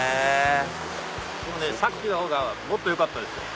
さっきのほうがもっとよかった。